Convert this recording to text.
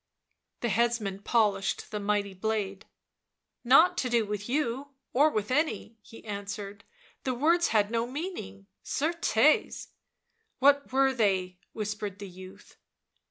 The headsman polished the mighty blade. " Nought to do with you, or with any," he answered, " the words had no meaning, certes." " What were they ?" whispered the youth.